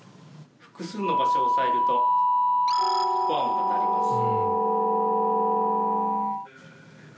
複数の場所を押さえると和音が鳴ります。